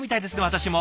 私も。